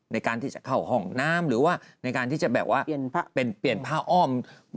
ในการที่จะเข้าห้องน้ำหรือว่าในการที่จะแบบว่าเปลี่ยนผ้าอ้อม